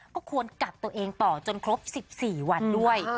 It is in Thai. ก็ควรกักตัวเองต่อจนครบ๑๔วันด้วย